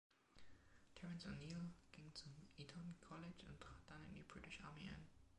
Terence O’Neill ging zum Eton College und trat dann in die British Army ein.